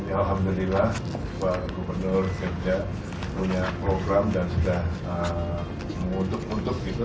alhamdulillah pak gubernur kerja punya program dan sudah mengutuk untuk itu